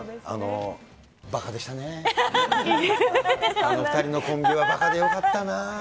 あの２人のコンビはばかでよかったなぁ。